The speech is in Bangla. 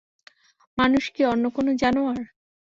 মানুষ কি অন্য কোন জানোয়ার?